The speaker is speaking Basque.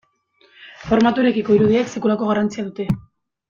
Formatu irekiko irudiek sekulako garrantzia dute.